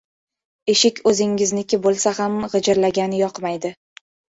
• Eshik o‘zingizniki bo‘lsa ham, g‘ijirlagani yoqmaydi.